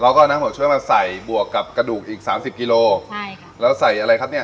แล้วก็น้ำหัวช่วยมาใส่บวกกับกระดูกอีกสามสิบกิโลใช่ค่ะแล้วใส่อะไรครับเนี้ย